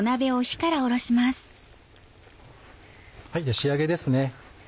仕上げですね。